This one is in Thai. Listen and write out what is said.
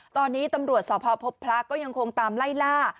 ตอนนี้ตำรวจสพพบพระก็ยังคงตามไล่ล่า